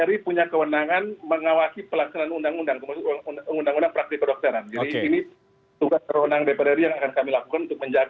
jadi ini tugas perwenangan dpr ri yang akan kami lakukan untuk menjaga pelaksanaan undang undang praktik berdokteran